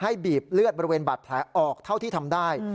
บีบเลือดบริเวณบาดแผลออกเท่าที่ทำได้